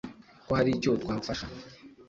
ko haricyo twahufasha.